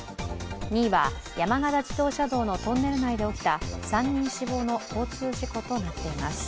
２位は山形自動車道のトンネル内で起きた３人死亡の交通事故となっています